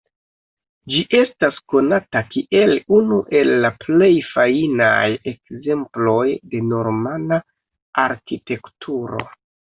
Ĝi estas konata kiel unu el la plej fajnaj ekzemploj de normana arkitekturo.